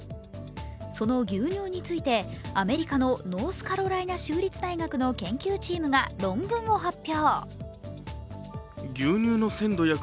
その牛乳について、アメリカのノースカロライナ州立大学の研究チームが論文を発表。